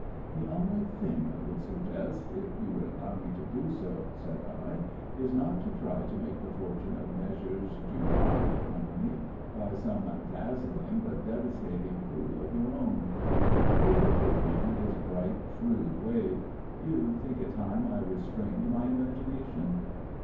"The only thing I would suggest, if you would allow me to do so," said I, "is not to try to make the fortune of Messrs. Dulau & Co. by some dazzling but devastating coup of your own." He looked at me in his bright, shrewd way. "You think it time I restrained my imagination?"